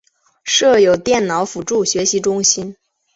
设有电脑辅助学习中心。